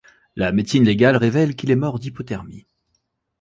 La médecine légale révèle qu'il est mort d'hypothermie.